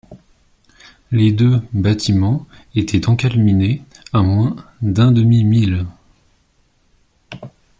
Les deux bâtiments étaient encalminés à moins d’un demi-mille.